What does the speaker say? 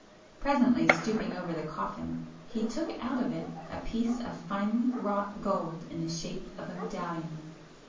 Presently stooping over the coffin he took out of it a piece of finely wrought gold in the shape of a medallion.